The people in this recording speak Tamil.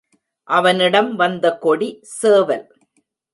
அவனிடம் வந்த கொடி சேவல்.